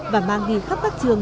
và mang ghi khắp các trường